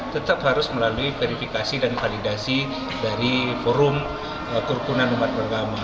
tetap harus melalui verifikasi dan validasi dari forum kerukunan umat beragama